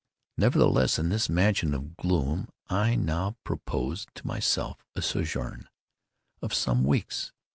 Nevertheless, in this mansion of gloom I now proposed to myself a sojourn of some weeks.